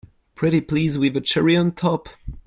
Pretty please with a cherry on top!